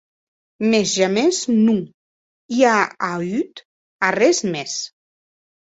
Mès jamès non i a auut arrés mès.